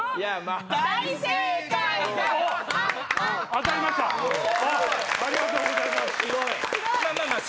ありがとうございます！